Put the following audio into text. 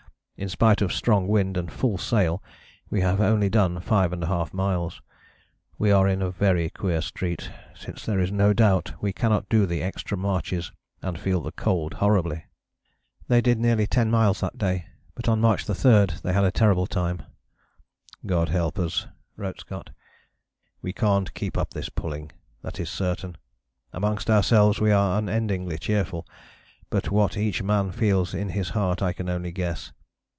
In spite of strong wind and full sail we have only done 5½ miles. We are in a very queer street, since there is no doubt we cannot do the extra marches and feel the cold horribly." They did nearly ten miles that day, but on March 3 they had a terrible time. "God help us," wrote Scott, "we can't keep up this pulling, that is certain. Amongst ourselves we are unendingly cheerful, but what each man feels in his heart I can only guess.